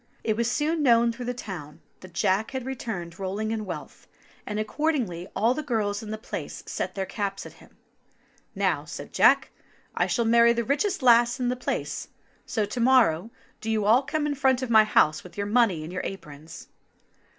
It was soon known through the town that Jack had returned rolling in wealth, and accordingly all the girls in the place set their caps at him. *'Now," said Jack, "I shall marry the richest lass in the place ; so to morrow do you all come in front of my house with your money in your aprons."